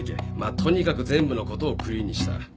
とにかく全部のことをクリーンにした